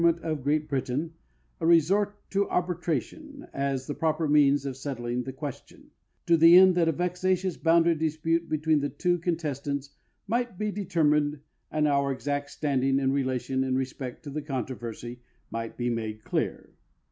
ment of Great Britain a resort to arbitration as the proper means of set tling the question, to the end that a vexatious boundary dispute between the two contestants might be determined and our exact standing and relation in respect to the controversy might be made clear.